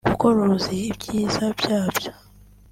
kuko ruzi ibyiza byabyo